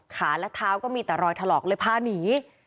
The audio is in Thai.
และเท้าก็มีแต่รอยถลอกเลยพาหนี